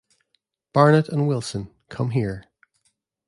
Barrett and Wilson, come here.